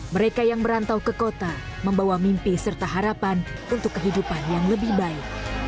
mereka yang merantau ke kota membawa mimpi serta harapan untuk kehidupan yang lebih baik